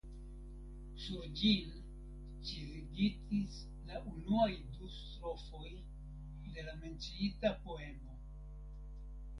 Sur ĝin ĉizigitis la unuaj du strofoj de la menciita poemo.